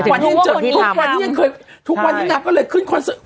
วันนี้ทุกวันนี้ยังเคยทุกวันนี้นางก็เลยขึ้นคอนเสิร์ต